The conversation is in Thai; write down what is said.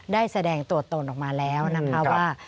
ได้แสดงตัวตนออกมาแล้วนะคะว่า